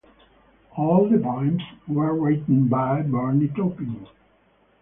All the poems were written by Bernie Taupin.